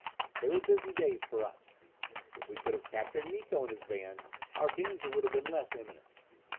They were busy days for us. If we could have captured Miko and his band, our danger would have been less imminent.